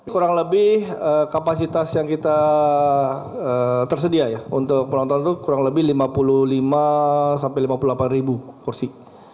kurang lebih kapasitas yang kita tersedia ya untuk penonton itu kurang lebih lima puluh lima sampai lima puluh delapan ribu kursi